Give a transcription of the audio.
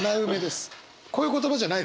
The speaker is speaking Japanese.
こういう言葉じゃないですよ。